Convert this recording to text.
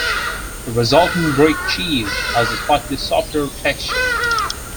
The resultant "brick cheese" has a slightly softer texture.